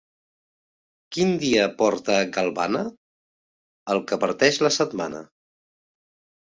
Quin dia porta galvana? El que parteix la setmana.